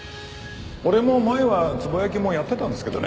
俺も前はつぼ焼きもやってたんですけどね。